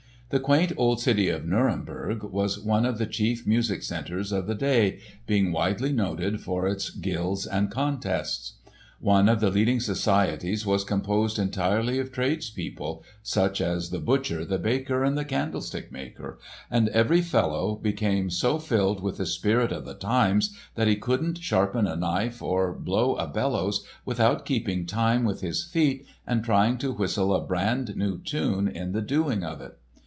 The quaint old city of Nuremberg was one of the chief music centres of the day, being widely noted for its guilds and contests. One of the leading societies was composed entirely of tradespeople, such as the butcher, the baker, and the candlestick maker, and every fellow became so filled with the spirit of the times that he couldn't sharpen a knife or blow a bellows without keeping time with his feet and trying to whistle a brand new tune in the doing of it!